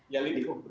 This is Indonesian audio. ya lalu dihukum